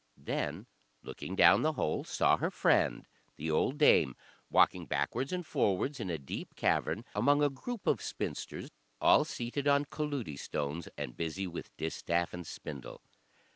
Then looking down the hole saw her friend, the old dame, walking backwards and forwards in a deep cavern among a group of spinsters all seated on colludie stones, and busy with distaff and spindle.